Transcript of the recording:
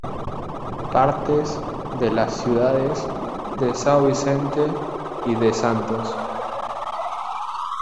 Partes de las ciudades de São Vicente y de Santos.